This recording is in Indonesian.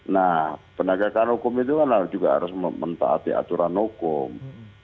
nah penegakan hukum itu kan harus juga harus memetah hati aturan hukum